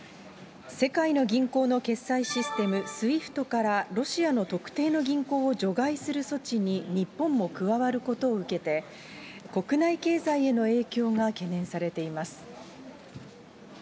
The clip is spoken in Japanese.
世界の銀行の決済システム、ＳＷＩＦＴからロシアの特定の銀行を除外する措置に日本も加わることを受けて、国内経済への影響が懸念されています。